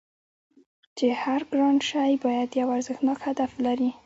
چې هر ګران شی باید یو ارزښتناک هدف ولري